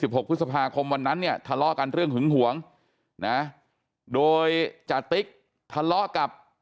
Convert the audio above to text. หกพฤษภาคมวันนั้นเนี่ยทะเลาะกันเรื่องหึงหวงนะโดยจติ๊กทะเลาะกับ